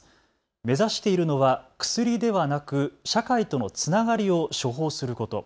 目指しているのは薬ではなく社会とのつながりを処方すること。